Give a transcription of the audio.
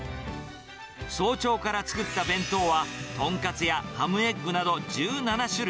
早朝から作った弁当は、豚カツやハムエッグなど１７種類。